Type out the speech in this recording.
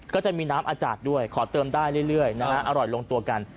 ก็จะมีน้ำอาจารย์ด้วยขอเติมได้เรื่อยนะฮะอร่อยลงตัวกัน